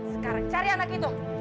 sekarang cari anak itu